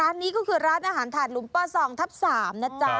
ร้านนี้ก็คือร้านอาหารถาดหลุมประส่องทัพสามนะจ๊ะ